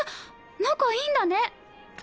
仲いいんだね。